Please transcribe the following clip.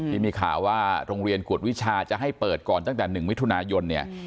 ที่มีข่าวว่าโรงเรียนกวดวิชาจะให้เปิดก่อนตั้งแต่๑มิถุนายนเนี่ย